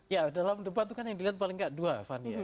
ya dalam debat itu kan yang dilihat paling kedua fania